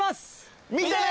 見てね！